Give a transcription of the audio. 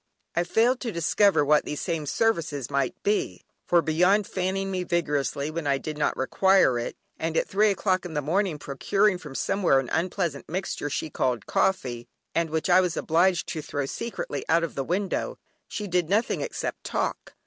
I failed to discover what these same services might be, for beyond fanning me vigorously when I did not require it, and at three o'clock in the morning procuring me from somewhere an unpleasant mixture she called coffee, and which I was obliged to throw secretly out of the window, she did nothing except talk.